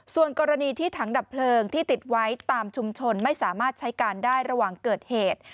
ส่วนกรณีที่ถังดับเพลิงที่ติดไว้ตามชุมชนไม่สามารถใช้การได้ระหว่างเกิดเหตุ